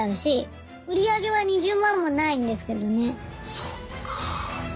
そっか。